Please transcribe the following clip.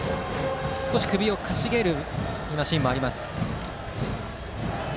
少し首をかしげるシーンもありました。